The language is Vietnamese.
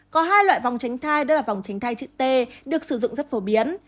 có hai loại vòng tránh thai đó là vòng tránh thai chữ t được sử dụng rất phổ biến